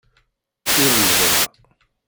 Ur lhiɣ.